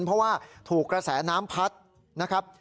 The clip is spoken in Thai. เพราะว่าถูกกระแสน้ำพัดนะครับ